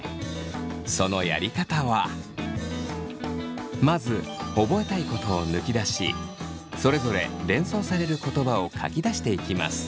そのやり方はまず覚えたいことを抜き出しそれぞれ連想される言葉を書き出していきます。